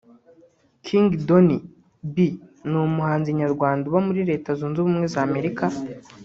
King Donny B ni umuhanzi nyarwanda uba muri Leta Zunze Ubumwe za Amerika